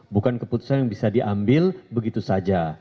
bukan keputusan yang bisa diambil begitu saja